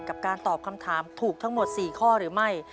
กับการตอบคำถามถูกทั้งหมด๔ข้อหรือไม่